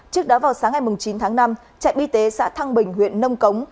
trước đó vào sáng ngày chín tháng năm trạm y tế xã thăng bình huyện nông cống